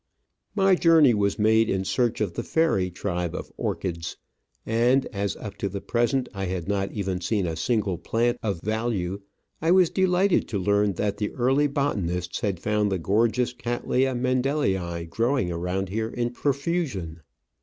My journey was made in search of the fairy tribe of Orchids, and as up to the present I had not even seen a single plant of value, I was delighted to learn that the early botanists had found the gorgeous Cattleya Mendelii growing around here in profusion.